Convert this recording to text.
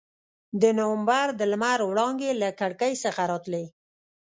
د نومبر د لمر وړانګې له کړکۍ څخه راتلې.